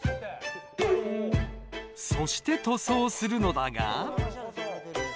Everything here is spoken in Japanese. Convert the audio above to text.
そして塗装するのだが。